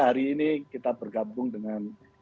hari ini kita bergabung dengan